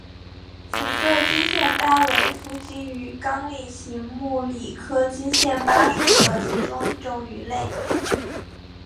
紫色金线鲃为辐鳍鱼纲鲤形目鲤科金线鲃属的其中一种鱼类。